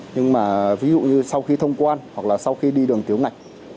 nhưng mà ví dụ như sau khi thông quan hoặc là sau khi đi đường tiểu ngạch